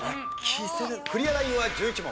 クリアラインは１１問。